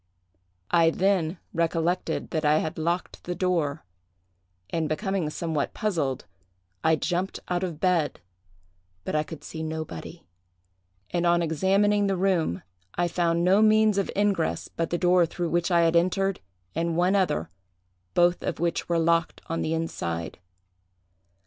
I then recollected that I had locked the door; and, becoming somewhat puzzled, I jumped out of bed; but I could see nobody; and on examining the room I found no means of ingress but the door through which I had entered, and one other; both of which were locked on the inside.